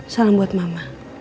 salam buat mama